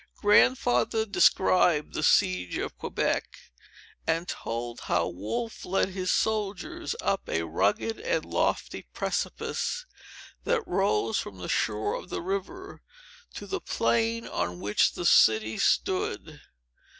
Grandfather described the siege of Quebec, and told how Wolfe led his soldiers up a rugged and lofty precipice, that rose from the shore of the river to the plain on which the city stood.